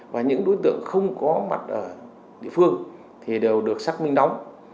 và những đối tượng không có mặt ở địa phương thì đều được xác minh đóng